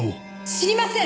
知りません！